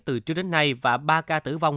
từ trước đến nay và ba ca tử vong